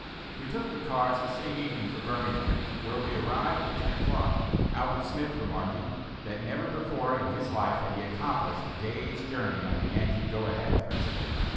We took the cars the same evening for Birmingham, where we arrived at ten o'clock, Albert Smith remarking, that never before in his life had he accomplished a day's journey on the Yankee go ahead principle.